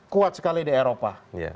kuat sekali di eropa